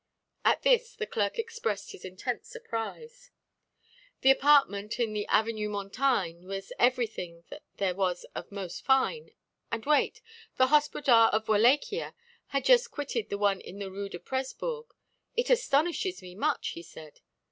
At this the clerk expressed his intense surprise. The apartment in the Avenue Montaigne was everything that there was of most fine, and wait, the Hospodar of Wallachia had just quitted the one in the Rue de Presbourg. "It astonishes me much," he said.